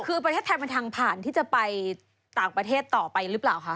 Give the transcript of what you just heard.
คือประเทศไทยเป็นทางผ่านที่จะไปต่างประเทศต่อไปหรือเปล่าคะ